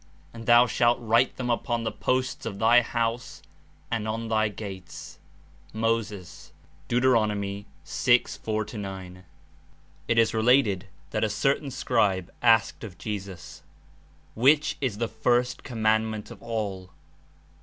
And thou shalt write them upon the posts of thy house and on thy gates." (Moses. Deut. 6.4 9.) It Is related that a certain scribe asked of Jesus: "Which Is the first commandment of all?"